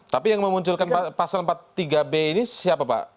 tapi yang memunculkan pasal empat puluh tiga b ini siapa pak